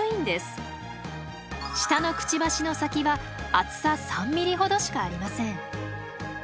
下のクチバシの先は厚さ３ｍｍほどしかありません。